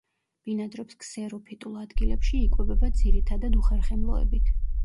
ბინადრობს ქსეროფიტულ ადგილებში, იკვებება ძირითადად უხერხემლოებით.